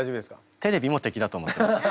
テレビも敵だと思ってます。